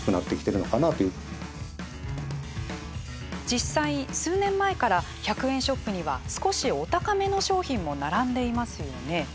実際、数年前から１００円ショップには少しお高めの商品も並んでいますよね。